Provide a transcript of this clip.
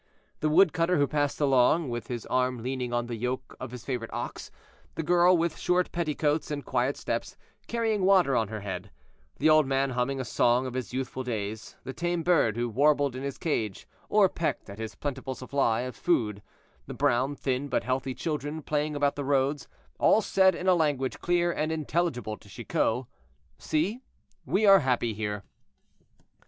The woodcutter who passed along, with his arm leaning on the yoke of his favorite ox, the girl with short petticoats and quiet steps, carrying water on her head, the old man humming a song of his youthful days, the tame bird who warbled in his cage, or pecked at his plentiful supply of food, the brown, thin, but healthy children playing about the roads, all said in a language clear and intelligible to Chicot, "See, we are happy here."